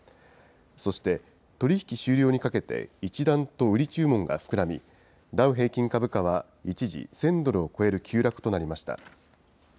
そして、取り引き終了にかけて一段と売り注文が膨らみ、ダウ平均株価は、一時１０００ドルを超える急落となりました。